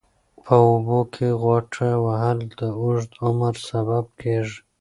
په اوبو کې غوټه وهل د اوږد عمر سبب کېږي.